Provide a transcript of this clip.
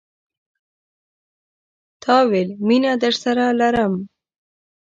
تا ويل، میینه درسره لرم